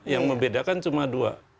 yang membedakan cuma dua